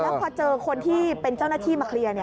แล้วพอเจอคนที่เป็นเจ้าหน้าที่มาเคลียร์